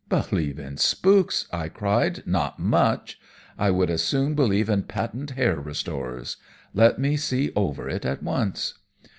"Believe in spooks!" I cried. "Not much. I would as soon believe in patent hair restorers. Let me see over it at once."